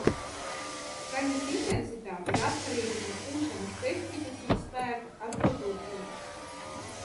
Skaņas intensitāte ir atkarīga no pūšanas tehnikas un spēka, ar ko to pūš.